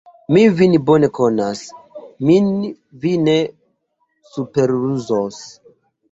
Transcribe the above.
Mi vin bone konas, min vi ne superruzos!